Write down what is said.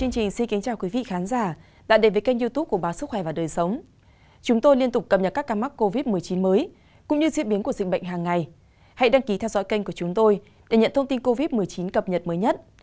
các bạn hãy đăng ký kênh của chúng tôi để nhận thông tin cập nhật mới nhất